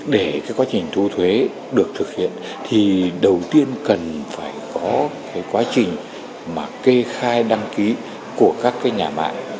để cái quá trình thu thuế được thực hiện thì đầu tiên cần phải có cái quá trình mà kê khai đăng ký của các cái nhà mạng